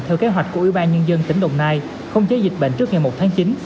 theo kế hoạch của ủy ban nhân dân tỉnh đồng nai không chế dịch bệnh trước ngày một tháng chín